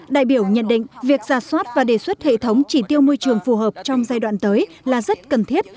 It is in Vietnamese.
đại biểu nhận định việc giả soát và đề xuất hệ thống chỉ tiêu môi trường phù hợp trong giai đoạn tới là rất cần thiết